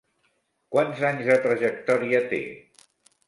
Quants anys de trajectòria té?